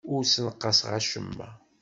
Ur ssenqaseɣ acemma.